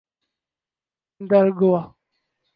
Dargwa